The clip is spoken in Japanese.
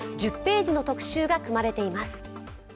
１０ページの特集が組まれています。